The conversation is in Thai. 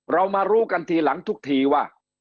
เรามารู้กันทีหลังทุกทีว่า